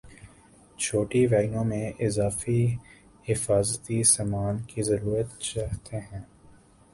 چھوٹی ویگنوں میں اضافی حفاظتی سامان کی ضرورت چاہتے ہیں